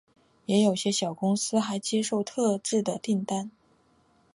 也有些小公司还接受特制的订单。